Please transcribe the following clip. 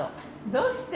どうして？